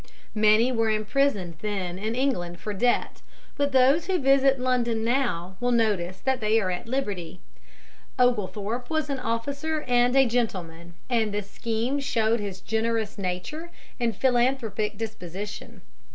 Many were imprisoned then in England for debt, but those who visit London now will notice that they are at liberty. [Illustration: OGLETHORPE'S WIG.] Oglethorpe was an officer and a gentleman, and this scheme showed his generous nature and philanthropic disposition.